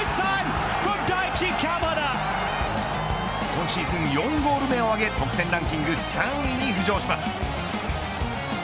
今シーズン４ゴール目を挙げ得点ランキング３位に浮上します。